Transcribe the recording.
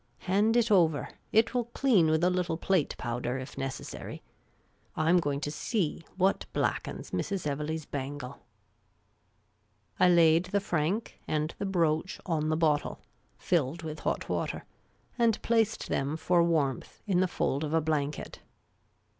Hand it over; it will clean with a little plate powder, if necessary. I 'm going to see what blackens Mrs. Evelegh's bangle." I laid the franc and the brooch on the bottle, filled with I lo Miss Caylcy's Adventures hot water, and placed them for warmth in the fold of a blanket.